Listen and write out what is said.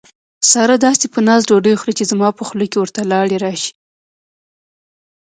ساره داسې په ناز ډوډۍ خوري، چې زما په خوله کې ورته لاړې راشي.